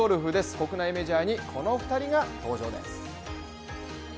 国内メジャーにこの２人が登場です。